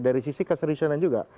dari sisi keselisuhan juga